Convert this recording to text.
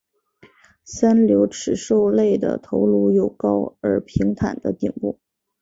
三瘤齿兽类的头颅有高而平坦的顶部。